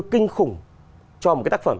kinh khủng cho một cái tác phẩm